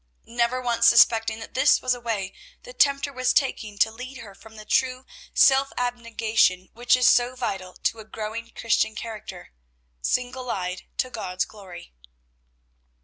Never once suspecting that this was a way the tempter was taking to lead her from the true self abnegation which is so vital to a growing Christian character. Single eyed to God's glory!